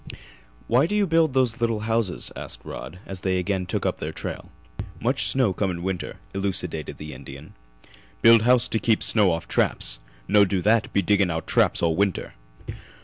"Why do you build those little houses?" asked Rod, as they again took up their trail. "Much snow come in winter," elucidated the Indian. "Build house to keep snow off traps. No do that, be digging out traps all winter.